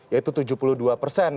yaitu tujuh puluh dua persen